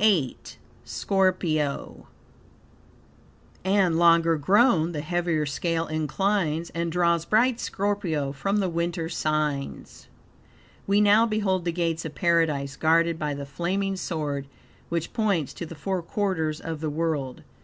VIII. Scorpio "And, longer grown, the heavier scale inclines, And draws bright Scorpio from the winter signs." We now behold the gates of Paradise guarded by the FLAMING SWORD which points to the four quarters of the world.